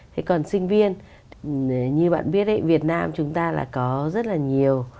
thế còn sinh viên như bạn biết việt nam chúng ta là có rất là nhiều